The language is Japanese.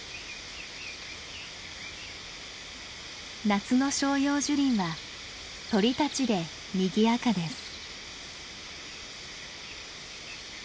夏の照葉樹林は鳥たちでにぎやかです。